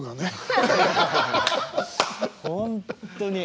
本当に。